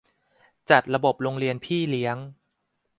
จัดระบบโรงเรียนพี่เลี้ยง